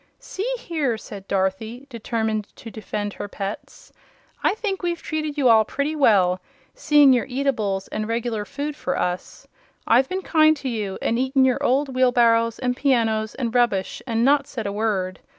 "See here," said Dorothy, determined to defend her pets, "I think we've treated you all pretty well, seeing you're eatables an' reg'lar food for us. I've been kind to you and eaten your old wheelbarrows and pianos and rubbish, an' not said a word.